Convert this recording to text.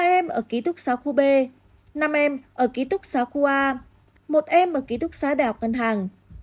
một mươi ba em ở ký thúc xá khu b năm em ở ký thúc xá khu a một em ở ký thúc xá đảo cân hàng